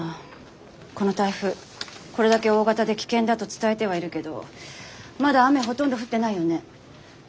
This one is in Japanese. この台風これだけ大型で危険だと伝えてはいるけどまだ雨ほとんど降ってないよね。